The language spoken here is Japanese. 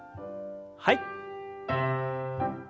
はい。